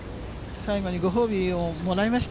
最後に、ご褒美をもらいました。